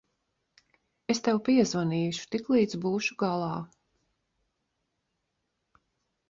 Es tev piezvanīšu, tiklīdz būšu galā.